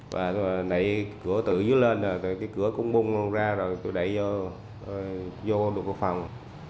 và tôi đẩy cửa tự dưới lên rồi cái cửa cũng bung ra rồi tôi đẩy vô vô được cái phòng